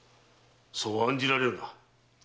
そう案じられるな。